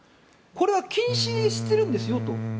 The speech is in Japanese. これは禁止してるんですよと。